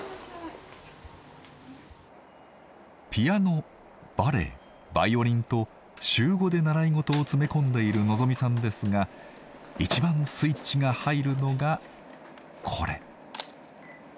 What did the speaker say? ピアノバレエバイオリンと週５で習い事を詰め込んでいるのぞ実さんですが一番スイッチが入るのがこれ。